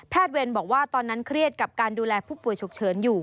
เวรบอกว่าตอนนั้นเครียดกับการดูแลผู้ป่วยฉุกเฉินอยู่